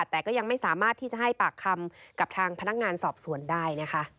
แต่ก็ยังไม่สามารถที่จะให้ปากคำกับทางพนักงานสอบสวนได้นะคะ